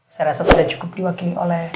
saya rasa sudah cukup diwakili oleh